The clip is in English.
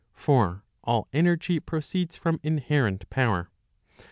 For all energy proceeds from inherent power.